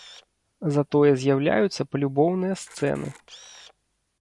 Затое з'яўляюцца палюбоўныя сцэны.